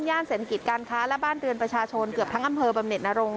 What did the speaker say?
เศรษฐกิจการค้าและบ้านเรือนประชาชนเกือบทั้งอำเภอบำเน็ตนรงค